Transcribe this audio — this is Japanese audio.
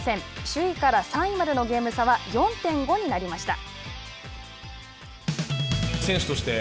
首位から３位までのゲーム差は４．５になりました。